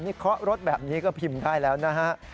นี่เคาะรถแบบนี้ก็พิมพ์ได้แล้วนะฮะ